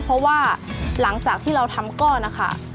เพราะว่าหลังจากที่เราทำก้อนนะคะ